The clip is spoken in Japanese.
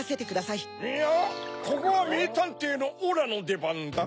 いやここはめいたんていのオラのでばんだ。